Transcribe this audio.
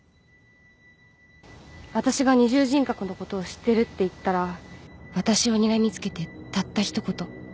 あたしが二重人格のことを知ってるって言ったらあたしをにらみ付けてたった一言